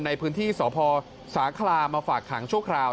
ในพื้นที่สพสาคราวิทยุมาฝากขังช่วงคราว